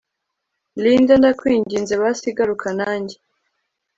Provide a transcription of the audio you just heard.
Linda ndakwinginze basi garuka nanjye